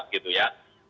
tapi yang penting